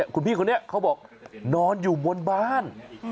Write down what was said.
คุณพี่คนนี้เขาบอกนอนอยู่บนบ้าน